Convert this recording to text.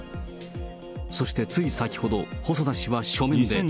そしてつい先ほど、細田氏は書面で。